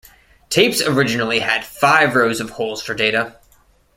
Tapes originally had five rows of holes for data.